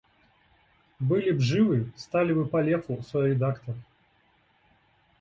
Были б живы — стали бы по Лефу соредактор.